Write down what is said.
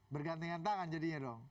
bergantikan tangan jadinya dong